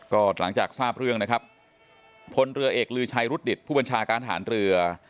ก็หลังจากทราบเรื่องนะครับพลเรือเอกลือชัยรุดดิตผู้บัญชาการฐานเรือ